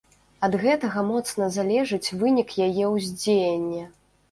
Ад гэтага моцна залежыць вынік яе ўздзеяння.